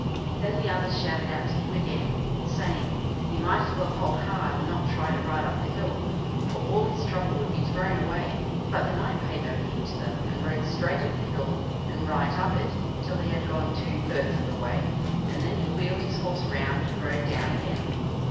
Then the others shouted out to him again, saying, he might as well hold hard, and not try to ride up the hill, for all his trouble would be thrown away; but the knight paid no heed to them, and rode straight at the hill, and right up it, till he had gone two thirds of the way, and then he wheeled his horse round and rode down again.